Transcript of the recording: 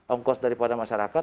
ongkos daripada masyarakat